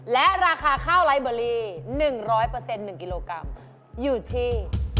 และราคาข้าวไลฟ์เบอร์รี่๑๐๐เปอร์เซ็นต์๑กิโลกรัมอยู่ที่